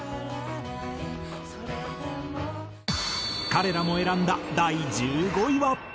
彼らも選んだ第１５位は。